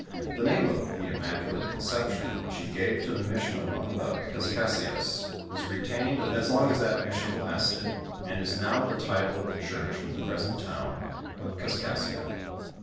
Tlie name of the Immaculate Conception, which he gave to the mission among the Kaskaskias, was retained as long as that mission Listed, and is now the title of the church in the present town of Kaskaskia.